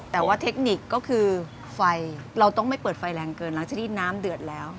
แต่ว่าเทคนิคก็คือไฟเราต้องไม่เปิดไฟแรงเกินหลังจากที่น้ำเดือดแล้ว